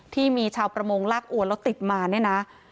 ที่มีชาวประมงลากอวนแล้วติดมาเนี่ยนะ